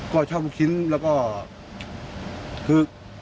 ก็ชอบลูกชิ้นแล้วก็คือ